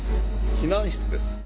避難室です。